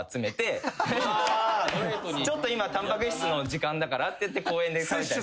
「今タンパク質の時間だから」って言って公園で食べたり。